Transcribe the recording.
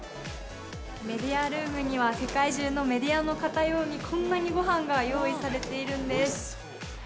メディアルームには、世界中のメディアの方用に、こんなにごはんが用意されているんです。